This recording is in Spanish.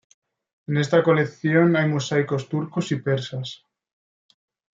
En esta colección hay mosaicos turcos y persas.